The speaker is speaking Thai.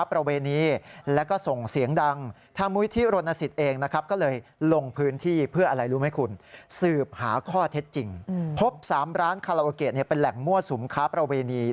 ๓ร้านคาราโอเกะเป็นแหล่งมั่วสุมค้าประเวณี